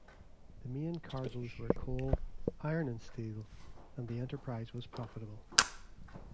The main cargos were coal, iron and steel, and the enterprise was profitable.